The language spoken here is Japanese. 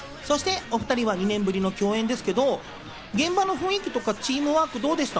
お２人は２年ぶりの共演ですけれども、現場の雰囲気やチームワークはどうでした？